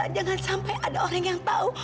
jangan sampai ada orang yang tahu